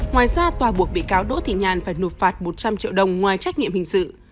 ngoài ra tòa buộc bị cáo đỗ thị nhàn phải nộp phạt một trăm linh triệu đồng ngoài trách nhiệm hình sự